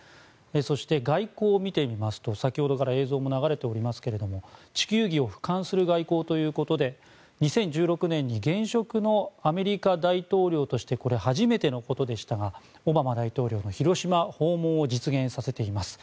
そして、外交を見てみますと先ほどから映像も流れておりますけれども地球儀を俯瞰する外交ということで２０１６年に現職のアメリカ大統領としてこれは初めてのことでしたがオバマ大統領の広島訪問を実現させています。